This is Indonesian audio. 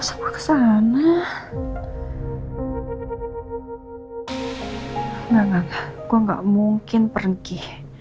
enggak enggak enggak gue gak mungkin pergi